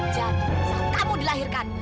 jangan zaira kamu dilahirkan